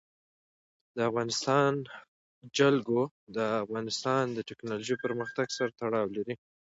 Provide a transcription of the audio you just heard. د افغانستان جلکو د افغانستان د تکنالوژۍ پرمختګ سره تړاو لري.